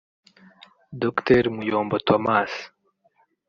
Dr Muyombo Thomas